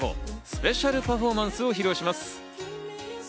スペシャルパフォーマンスを披露します。